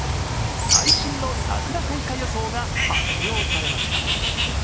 最新の桜開花予想が発表されました。